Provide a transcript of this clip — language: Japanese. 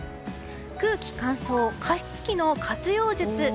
空気乾燥、加湿器の活用術。